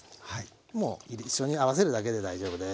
もう一緒に合わせるだけで大丈夫です。